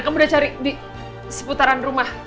kamu udah cari di seputaran rumah